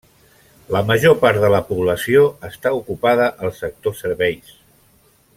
La major part de la població està ocupada al sector serveis.